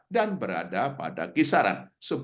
dan berada pada kisaran